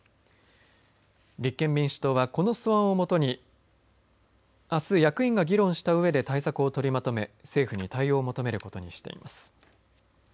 立憲民主党はこの素案をもとにあす、役員が議論したうえで対策を取りまとめ政府に対応を求めることにしています。